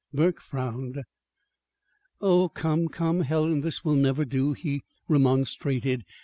Burke frowned. "Oh, come, come, Helen, this will never do," he remonstrated.